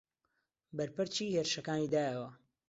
بەرپەرچی هێرشەکانی دایەوە